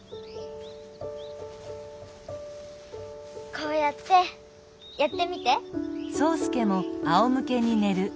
こうやってやってみて。